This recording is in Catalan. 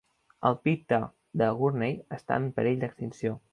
El pita de Gurney està en perill d'extinció.